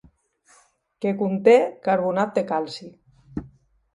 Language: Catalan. Que conté carbonat de calci.